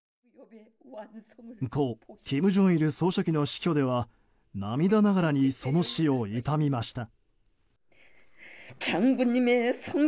故・金正日総書記の死去では涙ながらにその死を悼みました。